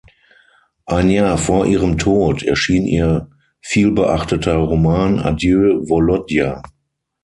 Ein Jahr vor ihrem Tod erschien ihr vielbeachteter Roman "Adieu Wolodja".